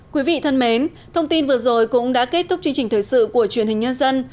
quý vị thân mến thông tin vừa rồi cũng đã kết thúc chương trình thời sự của truyền hình nhân dân